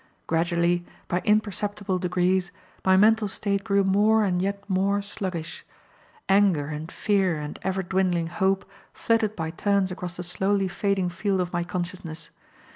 Gradually, by imperceptible degrees, my mental state grew more and yet more sluggish. Anger and fear and ever dwindling hope flitted by turns across the slowly fading field of my consciousness.